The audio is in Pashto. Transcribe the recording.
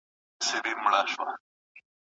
یې غېږ ته دروغورځولم.